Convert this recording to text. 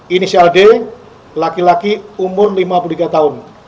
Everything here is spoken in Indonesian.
inisial d laki laki umur lima puluh tiga tahun